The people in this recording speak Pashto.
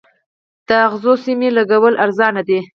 د اغزنو سیمونو لګول ارزانه دي؟